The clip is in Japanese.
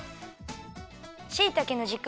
しいたけのじく